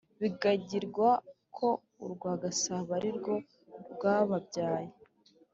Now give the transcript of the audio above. Bibagirwa ko urwa Gasabo arirwo rwababyaye